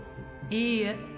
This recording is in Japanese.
いいえ。